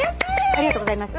ありがとうございます。